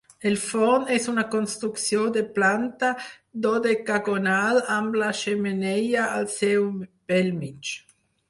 El forn és una construcció de planta dodecagonal amb la xemeneia al seu bell mig.